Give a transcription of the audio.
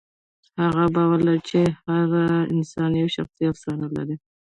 هغه باور لري چې هر انسان یوه شخصي افسانه لري.